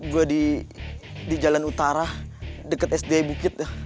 gue di jalan utara deket sdi bukit